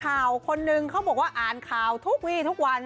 คนนึงเขาบอกว่าอ่านข่าวทุกวีทุกวัน